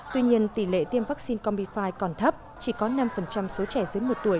tuy nhiên tỷ lệ tiêm vaccine combi fi còn thấp chỉ có năm số trẻ dưới một tuổi